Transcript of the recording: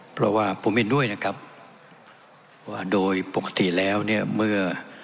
เพราะว่าผมเห็นด้วยนะครับว่าโดยปกติแล้วเนี่ยเมื่อ